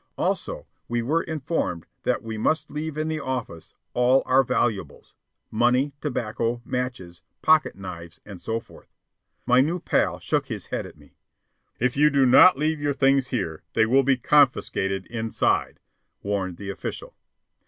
Also, we were informed that we must leave in the office all our valuables: money, tobacco, matches, pocketknives, and so forth. My new pal shook his head at me. "If you do not leave your things here, they will be confiscated inside," warned the official.